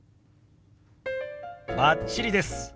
バッチリです。